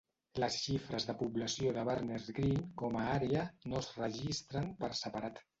Les xifres de població de Barnards Green com a àrea no es registren per separat.